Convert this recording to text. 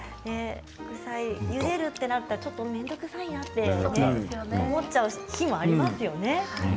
ゆでるとなるとちょっと面倒くさいなと思っちゃう日もありますよね。